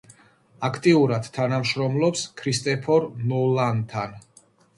აქტიურად თანამშრომლობს კრისტოფერ ნოლანთან.